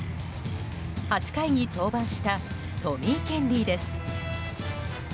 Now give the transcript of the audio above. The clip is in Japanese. ８回に登板したトミー・ケンリーです。